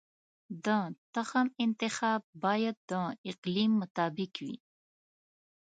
د تخم انتخاب باید د اقلیم مطابق وي.